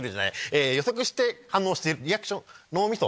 え予測して反応しているリアクション脳みそ？